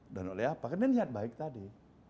dan oleh apa karena dia lihat baik tadi